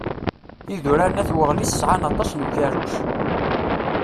Idurar n At Weɣlis sɛan aṭas n ukerruc.